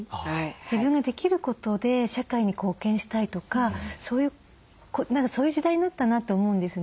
自分ができることで社会に貢献したいとか何かそういう時代になったなと思うんですね。